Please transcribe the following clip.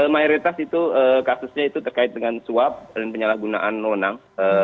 mayoritas itu kasusnya itu terkait dengan suap dan penyalahgunaan wewenang